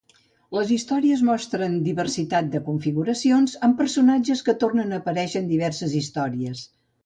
Les històries mostren diversitat de configuracions, amb personatges que tornen a aparèixer en diverses històries.